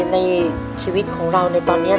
ในชีวิตของเราในตอนนี้